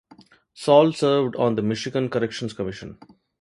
Saul served on the Michigan Corrections Commission.